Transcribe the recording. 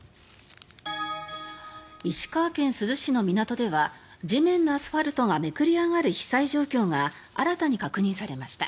石川県珠洲市の港では地面のアスファルトがめくれ上がる被災状況が新たに確認されました。